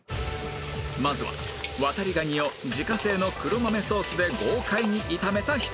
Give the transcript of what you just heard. まずは渡り蟹を自家製の黒豆ソースで豪快に炒めたひと品